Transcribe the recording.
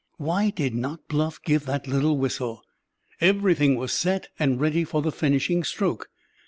Why did not Bluff give that little whistle? Everything was set, and ready for the finishing stroke.